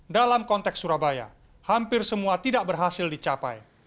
dalam konteks surabaya hampir semua tidak berhasil dicapai